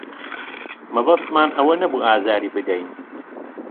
مەبەستمان ئەوە نەبوو ئازاری بدەین.